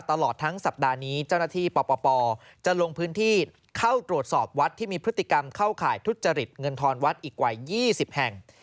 ตลอดทั้งสัปดาห์นี้เจ้าหน้าที่ปปจะลงพื้นที่เข้าตรวจสอบวัดที่มีพฤติกรรมเข้าข่ายทุจริตเงินทอนวัดอีกกว่า๒๐แห่ง